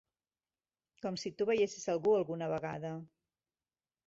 Com si tu veiessis algú alguna vegada!